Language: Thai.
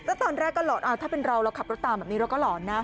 แล้วตอนแรกก็หลอนถ้าเป็นเราเราขับรถตามแบบนี้เราก็หลอนนะ